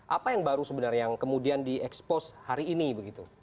apa yang baru sebenarnya yang kemudian diekspos hari ini begitu